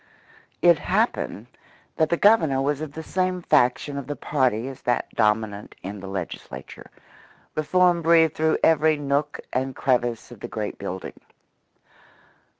It happened that the Governor was of the same faction of the party as that dominant in the Legislature; reform breathed through every nook and crevice of the great building.